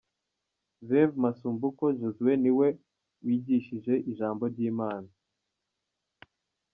Rev Masumbuko Josue ni we wigishije ijambo ry'Imana.